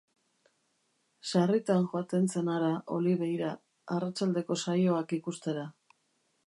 Sarritan joaten zen hara Oliveira, arratsaldeko saioak ikustera.